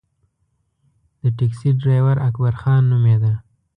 د ټیکسي ډریور اکبرخان نومېده.